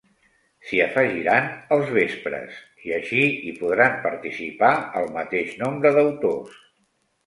S'hi afegiran els vespres i així hi podran participar el mateix nombre d'autors.